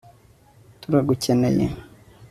turagukeneye